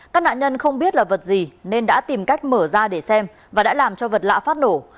các nạn nhân không biết là vật gì nên đã tìm cách mở ra để xem và đã làm cho vật lạ phát nổ